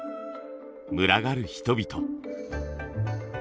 群がる人々。